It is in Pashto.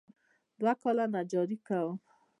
دوه کاله نجاري کوم.